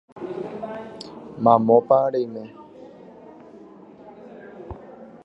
Mamópa reime